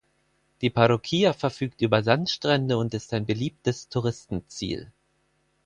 Die Parroquia verfügt über Sandstrände und ist ein beliebtes Touristenziel.